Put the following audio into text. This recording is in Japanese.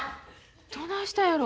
どないしたんやろ。